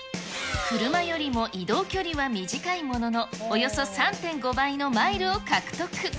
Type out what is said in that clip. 車よりも移動距離は短いものの、およそ３．５倍のマイルを獲得。